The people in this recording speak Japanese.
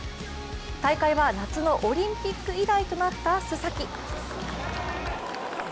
大会は夏のオリンピック以来となった須崎。